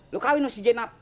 lu kawin sama si jenap